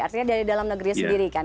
artinya dari dalam negeri sendiri kan